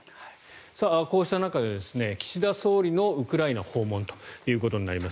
こうした中で岸田総理のウクライナ訪問ということになります。